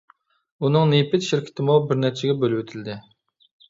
ئۇنىڭ نېفىت شىركىتىمۇ بىر نەچچىگە بۆلۈۋېتىلدى.